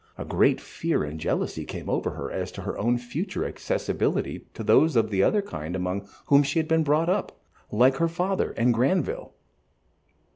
A great fear and jealousy came over her as to her own future accessibility to those of the other kind among whom she had been brought up, like her father and Granville.